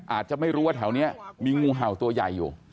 อาจจะไม่รู้ว่าแถวนี้มีงูเห่าตัวใหญ่อยู่